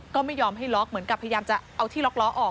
ก็ไม่ยอมให้ล็อกเหมือนกับพยายามจะเอาที่ล็อกล้อออก